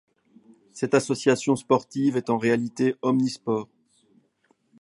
Cette association sportive est en réalité omnisports.